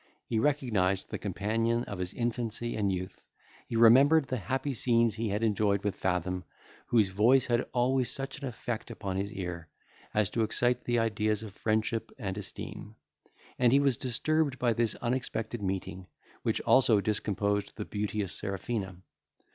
He recognised the companion of his infancy and youth; he remembered the happy scenes he had enjoyed with Fathom, whose voice had always such an effect upon his ear, as to excite the ideas of friendship and esteem; and he was disturbed by this unexpected meeting, which also discomposed the beauteous Serafina.